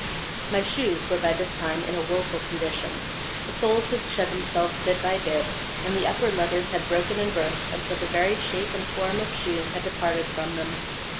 My shoes were by this time in a woeful condition. The soles had shed themselves bit by bit, and the upper leathers had broken and burst until the very shape and form of shoes had departed from them.